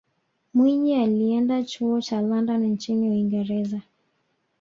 mwinyi alienda chuo cha london nchini uingereza